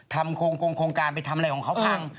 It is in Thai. ทำฟิวกลงโครงการไปทำอะไรของเขาพัง